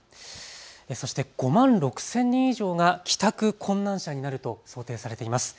そして５万６０００人以上が帰宅困難者になると想定されています。